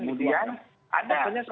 kemudian ada kebangkuan